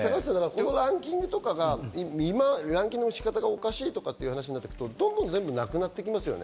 このランキングとかが、ランキングの仕方がおかしいという話になってくると、どんどん全部なくなってきますね。